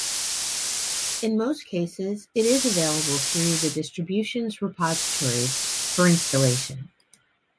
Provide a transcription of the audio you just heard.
In most cases it is available through the distribution's repositories for installation.